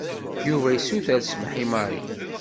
Yuba yessuter smeḥ i Mary.